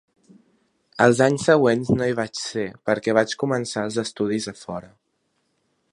Els anys següents no hi vaig ser perquè vaig començar els estudis a fora.